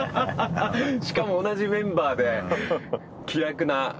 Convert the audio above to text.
しかも同じメンバーで気楽な。